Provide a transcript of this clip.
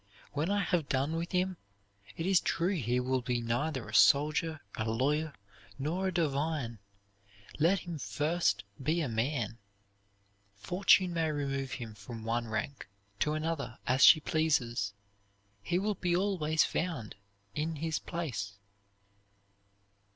When I have done with him, it is true he will be neither a soldier, a lawyer, nor a divine. Let him first be a man. Fortune may remove him from one rank to another as she pleases; he will be always found in his place."